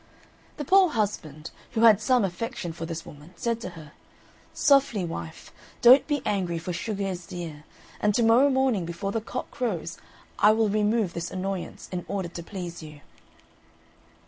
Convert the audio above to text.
The poor husband, who had some affection for this woman, said to her, "Softly, wife! Don't be angry, for sugar is dear; and to morrow morning, before the cock crows, I will remove this annoyance in order to please you."